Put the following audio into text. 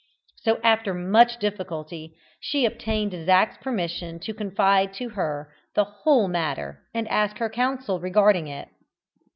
So, after much difficulty, she obtained Zac's permission to confide to her the whole matter, and to ask her counsel regarding it.